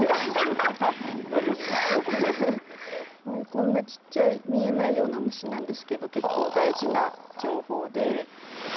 こんなちっちゃい見えないような虫なんですけど結構大事な情報で。